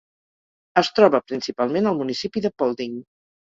Es troba principalment al municipi de Paulding.